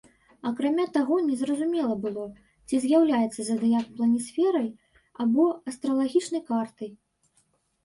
Акрамя таго, незразумела было, ці з'яўляецца задыяк планісферай або астралагічнай картай.